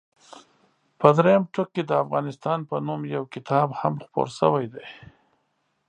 په درېیم ټوک کې د افغانستان په نوم یو کتاب هم خپور شوی دی.